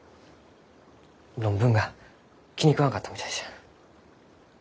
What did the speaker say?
論文が気に食わんかったみたいじゃ。